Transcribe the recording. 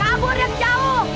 kabur dev jauh